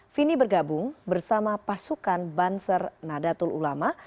vini bergabung bersama pasukan banser nadatul ulama